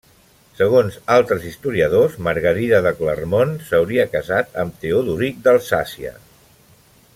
Segons altres historiadors Margarida de Clermont s'hauria casat amb Teodoric d'Alsàcia.